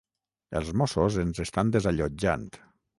Els mossos ens estan desallotjant.